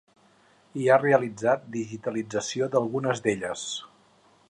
I ha realitzat digitalització d'algunes d'elles.